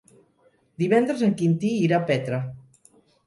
Divendres en Quintí irà a Petra.